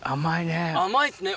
甘いですね！